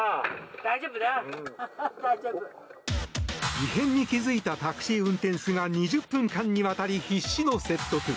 異変に気付いたタクシー運転手が２０分間にわたり必死の説得。